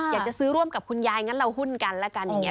อยากจะซื้อร่วมกับคุณยายงั้นเราหุ้นกันแล้วกันอย่างนี้